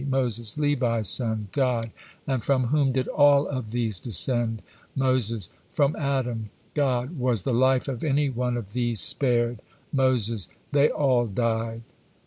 Moses: "Levi's son." God: "And from whom did all of these descend?" Moses: "From Adam." God: "Was the life of any one of these spared?" Moses: "They all died."